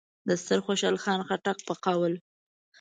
د ستر خوشحال خان خټک په قول: